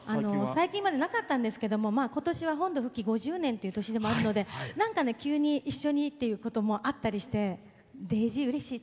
最近までなかったんですけど今年は本土復帰５０年という年でもあるので急に一緒にっていうこともあってでーじうれしい。